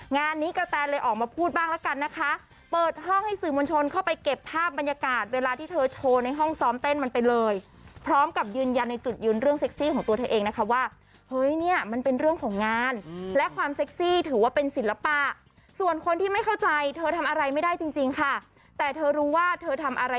งานนี้กระแตนเลยออกมาพูดบ้างละกันนะคะเปิดห้องให้สื่อมวลชนเข้าไปเก็บภาพบรรยากาศเวลาที่เธอโชว์ในห้องซ้อมเต้นมันไปเลยพร้อมกับยืนยันในจุดยืนเรื่องเซ็กซี่ของตัวเธอเองนะคะว่าเฮ้ยเนี่ยมันเป็นเรื่องของงานและความเซ็กซี่ถือว่าเป็นศิลปะส่วนคนที่ไม่เข้าใจเธอทำอะไรไม่ได้จริงจริงค่ะแต่เธอรู้ว่าเธอทำอะไร